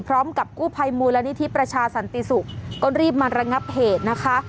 พร้อมกับกู้ภัยมูลนิธิประชาสันติศุกร์ก็รีบมาระงับเหตุนะคะ